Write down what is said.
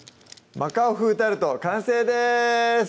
「マカオ風タルト」完成です